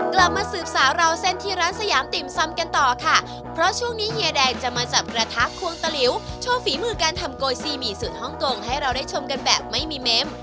กลับมาสืบสาวราวเส้นที่ร้านสยามติ่มซำกันต่อค่ะเพราะช่วงนี้เฮียแดงจะมาจับกระทะควงตะหลิวโชว์ฝีมือการทำโกยซีหมี่สูตรฮ่องกงให้เราได้ชมกันแบบไม่มีเม้ม